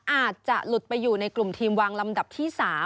อาจจะหลุดไปอยู่ในกลุ่มทีมวางลำดับที่๓